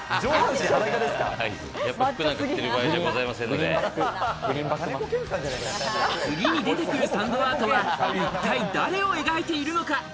次に出てくるサンドアートは、一体誰を描いているのか。